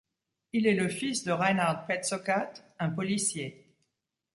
Il est le fils de Reinhard Petszokat, un policier.